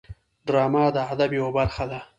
ډرامه د ادب یوه برخه ده